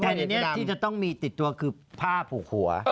ในนี้ที่จะต้องมีติดตัวคือผ้าผูกหัว